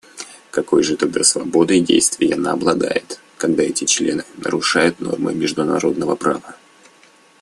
Какой же тогда свободой действий она обладает, когда эти члены нарушают нормы международного права?